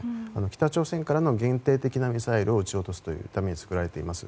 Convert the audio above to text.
北朝鮮からの限定的なミサイルを撃ち落とすために作られています。